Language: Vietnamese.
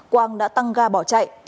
quang đã tăng ga bỏ chạy